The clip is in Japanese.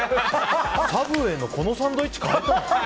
サブウェイのこのサンドイッチ買えたの？